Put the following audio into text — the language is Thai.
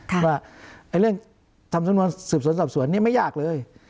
ว่าเรื่องทำสำนวนสืบสวนสอบสวนนี่ไม่ยากเลย